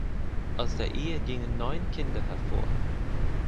Aus der Ehe gingen neun Kinder hervor.